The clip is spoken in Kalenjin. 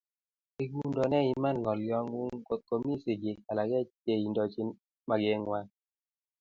Egundoi ne iman ngolyongung ngotkomi sigik alake cheindochin magengwai